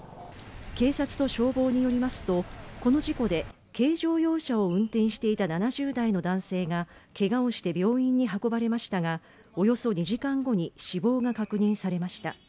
警察と消防によりますと、この事故で軽乗用車を運転していた７０代の男性がけがをして病院に運ばれましたが、およそ２時間後に死亡が確認されました。